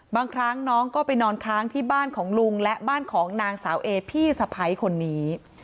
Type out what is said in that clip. บางครั้งน้องก็ไปนอนค้างที่บ้านของลุงและบ้านของนางสาวเอพี่สะพ้ายคนนี้